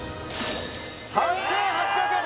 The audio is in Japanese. ８８００円！